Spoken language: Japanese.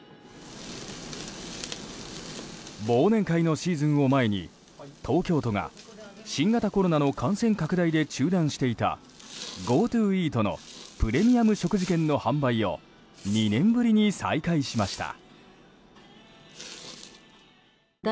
忘年会のシーズンを前に東京都が新型コロナの感染拡大で中断していたＧｏＴｏイートのプレミアム食事券の販売を２年ぶりに再開しました。